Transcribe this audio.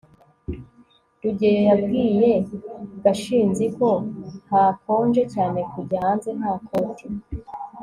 rugeyo yabwiye gashinzi ko hakonje cyane kujya hanze nta koti